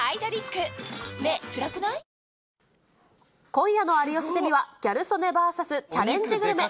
今夜の有吉ゼミは、ギャル曽根バーサスチャレンジグルメ。